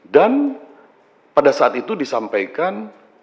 dan pada saat itu disampaikan